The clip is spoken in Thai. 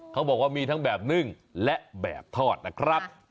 เขาบอกว่ามีทั้งแบบนึ่งและแบบทอดนะครับ